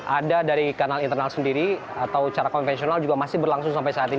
ada dari kanal internal sendiri atau cara konvensional juga masih berlangsung sampai saat ini